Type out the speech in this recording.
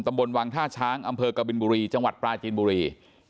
บนวังท่าช้างอำเภอกบินบุรีจังหวัดปลาจีนบุรี